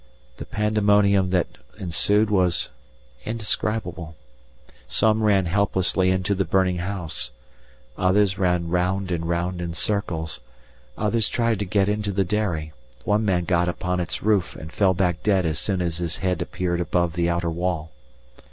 The pandemonium that ensued was indescribable. Some ran helplessly into the burning house, others ran round and round in circles, others tried to get into the dairy; one man got upon its roof and fell back dead as soon as his head appeared above the outer wall.